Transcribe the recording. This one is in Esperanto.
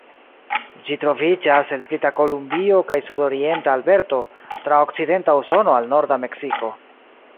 Ĝi troviĝas el Brita Kolumbio kaj sudorienta Alberto, tra okcidenta Usono al norda Meksiko.